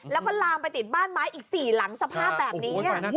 แล้วก็ลามไปติดบ้านไม้อีก๔หลังสภาพแบบนี้